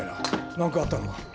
何かあったのか？